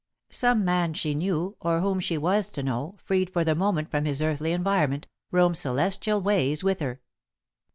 Some man she knew, or whom she was to know, freed for the moment from his earthly environment, roamed celestial ways with her.